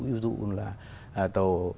ví dụ là tàu